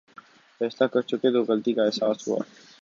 فیصلہ کرچکے تو غلطی کا احساس ہوا۔